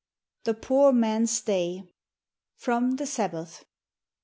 THK POOR MAX'S DAY. FROM " Tin: SABBATH."